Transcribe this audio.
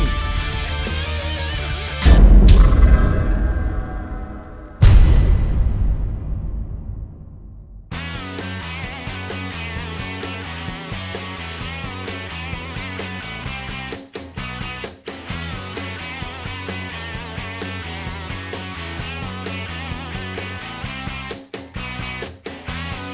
แกร่งจริง